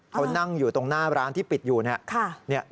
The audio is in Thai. เขานั่งอยู่ตรงหน้าร้านที่ปิดอยู่เนี่ย